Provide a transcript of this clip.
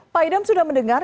pak idam sudah mendengar